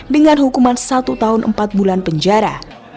dengan hukuman satu tahun empat bulan penjara